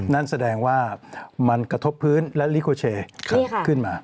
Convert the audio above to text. นั่นแสดงว่ามันกระทบพื้นและลิโคเชขึ้นมา